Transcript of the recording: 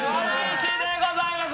市でございます。